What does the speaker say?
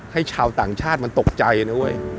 ชาวต่างชาติมันตกใจนะเว้ย